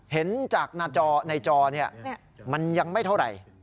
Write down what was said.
เห็นจากหน้าจอในจอมันยังไม่เท่าไหร่